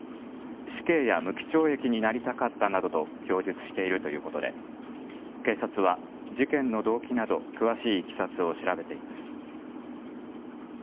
死刑や無期懲役になりたかったなどと供述しているということで警察は事件の動機など詳しいいきさつを調べています。